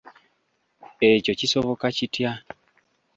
Ekyo kisoboka kitya?